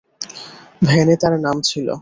ভ্যানে তার নাম ছিল।